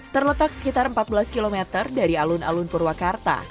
terletak sekitar empat belas km dari alun alun purwakarta